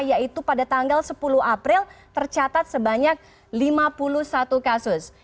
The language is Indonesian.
yaitu pada tanggal sepuluh april tercatat sebanyak lima puluh satu kasus